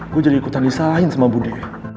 gua jadi ikutan di sains sama bu de